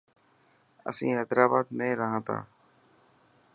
اسين حيدرآباد ۾ رهان ٿا.